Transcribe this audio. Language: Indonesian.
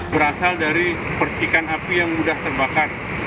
berasal dari percikan api yang mudah terbakar